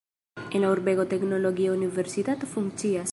En la urbego teknologia universitato funkcias.